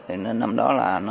thì nên năm đó là nó